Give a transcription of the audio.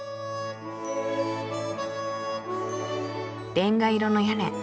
レンガ色の屋根。